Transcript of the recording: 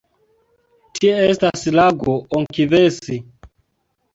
Tie estas lago Onkivesi.